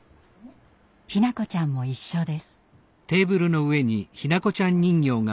日向子ちゃんも一緒です。